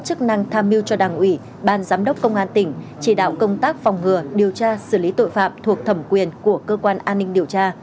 chức năng tham mưu cho đảng ủy ban giám đốc công an tỉnh chỉ đạo công tác phòng ngừa điều tra xử lý tội phạm thuộc thẩm quyền của cơ quan an ninh điều tra